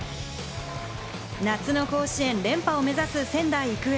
夏の甲子園連覇を目指す仙台育英。